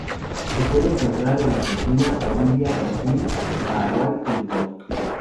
Se puede encontrar en Argentina, Bolivia, Brasil, Paraguay y Uruguay.